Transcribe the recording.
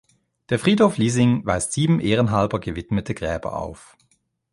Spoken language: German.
Der Friedhof Liesing weist sieben ehrenhalber gewidmete Gräber auf.